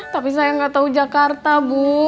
tapi saya gak tau jakarta bu